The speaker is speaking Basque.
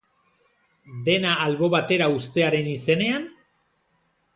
Dena albo batera uztearen izenean?